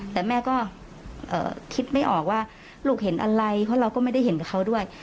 แต่แม่ก็คิดไม่ออกว่าลูกเห็นอะไรเพราะเราก็ไม่ได้เห็นกับเขาด้วย